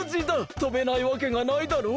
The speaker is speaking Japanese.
とべないわけがないだろう！